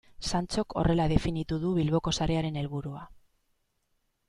Santxok horrela definitu du Bilboko sarearen helburua.